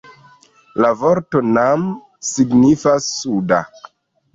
La vorto "nam" signifas 'suda'.